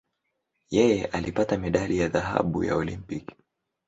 Yeye alipata medali ya dhahabu ya Olimpiki.